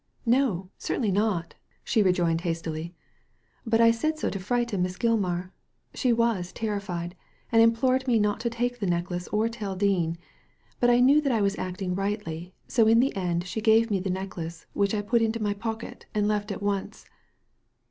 "No, certainly not," she rejoined hastily; "but I said so to frighten Miss Gilmar. She was terrified, and implored me not to take the necklace or tell Dean ; but I knew that I was acting rightly, so in the end she gave me the necklace, which I put into my pocket, and left at once."